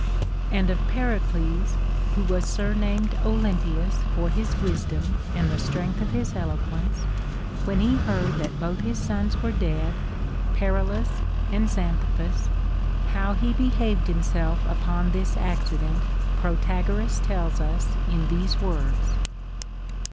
And of Pericles, who was surnamed Olympius for his wisdom and the strength of his eloquence, when he heard that both his sons were dead, Paralus and Xanthippus, how he behaved himself upon this accident Protagoras tells us in these words.